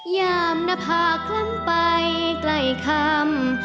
ยามหน้าผากล้ำไปใกล้คำ